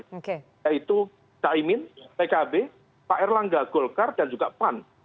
yaitu caimin pkb pak erlangga golkar dan juga pan